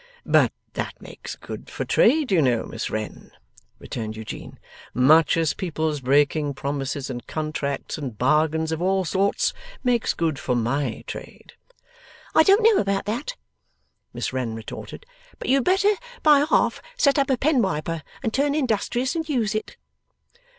'But that makes good for trade, you know, Miss Wren,' returned Eugene. 'Much as people's breaking promises and contracts and bargains of all sorts, makes good for MY trade.' 'I don't know about that,' Miss Wren retorted; 'but you had better by half set up a pen wiper, and turn industrious, and use it.